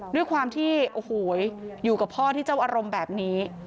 ด้วยความที่โอ้โหอยู่กับพ่อที่เจ้าอารมณ์แบบนี้